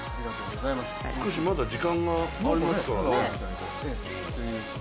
まだ少し時間がありますからね。